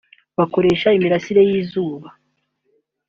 bakoresha imirasire y’izuba